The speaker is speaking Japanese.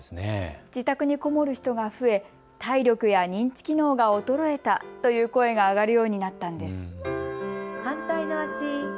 自宅にこもる人が増え体力や認知機能が衰えたという声が上がるようになったんです。